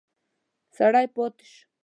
سړی پاتې شو.